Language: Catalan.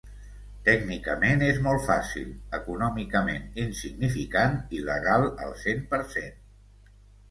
Tècnicament és molt fàcil, econòmicament insignificant, i legal al cent per cent.